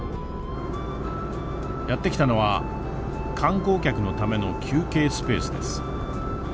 やって来たのは観光客のための休憩スペースです。